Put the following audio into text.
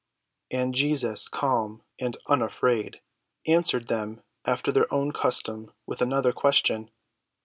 And Jesus, calm and unafraid, answered them after their own custom with another question.